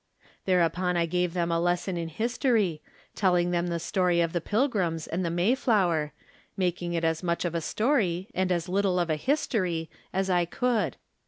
Thereupon I gave them a lesson in history, telling them the story of the Pilgrims and the Mayflower, making it as much of a story, and as little of a history, as I could.